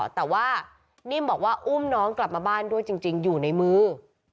แต่ว่านิ่มบอกว่าอุ้มน้องกลับมาบ้านด้วยจริงอยู่ในมือ